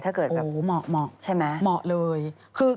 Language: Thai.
ถ้าเกิดแบบใช่ไหมเหมาะเลยโอ้เหมาะ